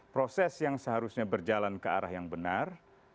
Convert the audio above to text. proses yang seharusnya berjalan ke arah yang benar